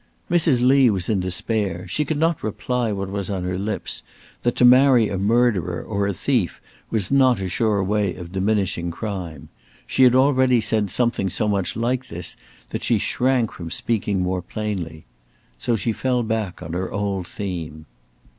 Mrs. Lee was in despair. She could not reply what was on her lips, that to marry a murderer or a thief was not a sure way of diminishing crime. She had already said something so much like this that she shrank from speaking more plainly. So she fell back on her old theme.